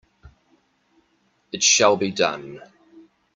It shall be done!